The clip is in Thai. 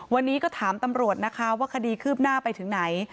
วันนี้ก็ถามตำรวจนะคะว่าคดีคืบหน้าไปถึงไหน